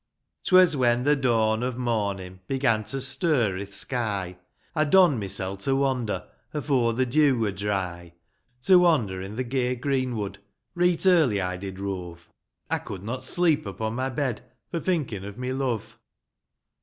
WAS when the dawn of mornin' Began to stir i'th sky, I donned mysel' to wander Afore the dew wur dry ; To wander in the gay greenwood, Reet early I did rove, — I could not sleep upon my bed For thinkin' of my love.